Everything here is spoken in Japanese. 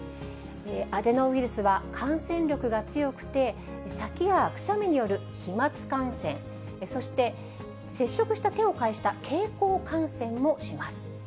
アデノウイルスは感染力が強くて、せきやくしゃみによる飛まつ感染、そして、接触した手を介した経口感染もします。